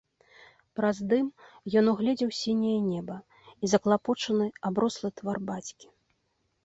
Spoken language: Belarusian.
Праз дым ён угледзеў сіняе неба і заклапочаны аброслы твар бацькі.